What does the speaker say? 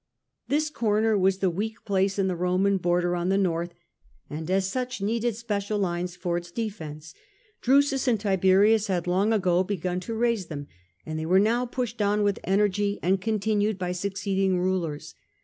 This corner was the weak place in the Roman border on the north and as such needed 97 117 27 Trajan. special lines for its defence ; Drusus and Tiberius had long ago begun to raise them, and they were now pushed on with energy, and continued by succeeding rulers.